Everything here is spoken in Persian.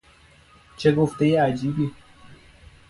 چه گفتهی عجیبی!